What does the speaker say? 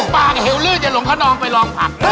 ปากเฮวลืดจะหลงข้านองไปลองผัก